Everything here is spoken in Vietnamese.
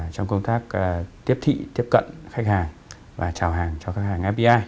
trong công tác tiếp thị tiếp cận khách hàng và trào hàng cho khách hàng fdi